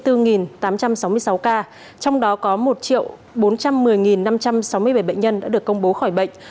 trong đó có một bốn trăm một mươi năm trăm sáu mươi bảy bệnh nhân đã được công bố khỏi bệnh